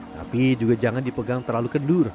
tapi juga jangan dipegang terlalu kendur